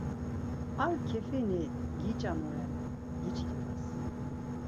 Ar kefini giç̌anoren, giçkit̆as!